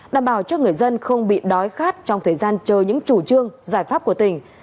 đảm bảo cho người dân không bị đói khát trong thời gian chờ những chủ trương giải pháp của tỉnh